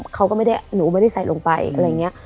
เขาก็ไม่ได้หนูไม่ได้ใส่ลงไปอะไรอย่างนี้